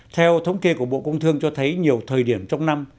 theo thống kê của bộ công thương cho thấy nhiều thời điểm trong năm